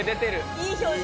いい表情。